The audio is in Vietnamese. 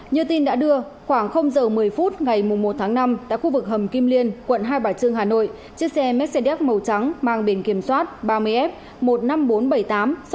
như tin đã đưa khoảng giờ một mươi phút ngày một tháng năm tại khu vực hầm kim liên quận hai bà trưng hà nội chiếc xe mercedes màu trắng mang biển kiểm soát ba mươi f một mươi năm nghìn bốn trăm bảy mươi tám